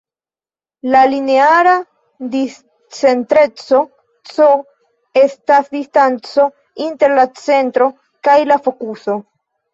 La lineara discentreco "c" estas distanco inter la centro kaj la fokuso.